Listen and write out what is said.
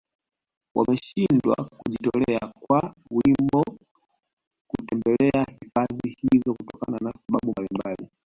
wameshindwa kujitokeza kwa wingi kutembelea hifadhi hizo kutokana na sababu mbalimbali